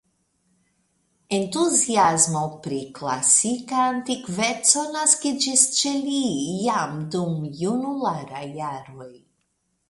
Entuziasmo pri klasika antikveco naskiĝis ĉe li jam dum junulaj jaroj.